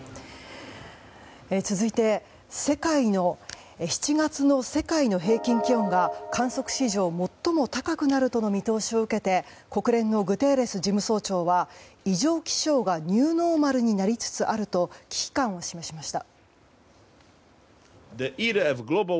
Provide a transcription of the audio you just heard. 続いて７月の世界の平均気温が観測史上最も高くなるとの見通しを受けて国連のグテーレス事務総長は異常気象がニューノーマルになりつつあると危機感を示しました。